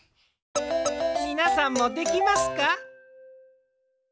みなさんもできますか？